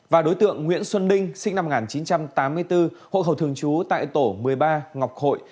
và đối tượng nguyễn xuân ninh sinh năm một nghìn chín trăm tám mươi bốn hộ khẩu thường trú tại tổ một mươi ba ngọc hội